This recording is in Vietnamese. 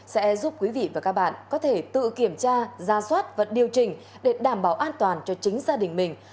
sẽ giúp quý vị và các bạn có thể tự kiểm tra ra soát và điều chỉnh để đảm bảo an toàn cho chính gia đình mình